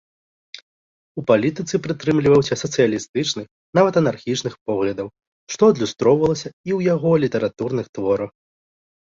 У палітыцы прытрымліваўся сацыялістычных, нават анархічных поглядаў, што адлюстроўвалася і ў яго літаратурных творах.